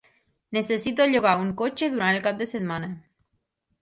Necessito llogar un cotxe durant el cap de setmana